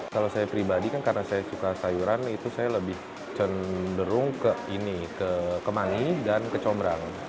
kalau saya pribadi kan karena saya suka sayuran itu saya lebih cenderung ke ini ke mani dan kecombrang